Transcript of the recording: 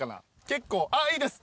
結構あっいいです。